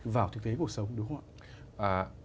vào thực tế cuộc sống đúng không ạ